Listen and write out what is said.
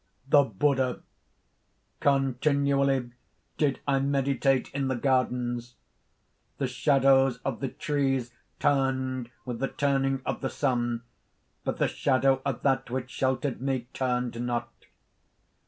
_) THE BUDDHA. "Continually did I meditate in the gardens. The shadows of the trees turned with the turning of the sun; but the shadow of that which sheltered me turned not.